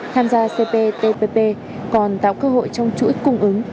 tham gia cp tpp còn tạo cơ hội trong chuỗi cung ứng